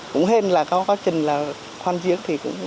cũng hên là có quá trình khoan diễn